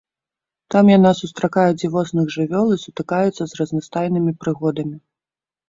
Там яна сустракае дзівосных жывёл і сутыкаецца з разнастайнымі прыгодамі.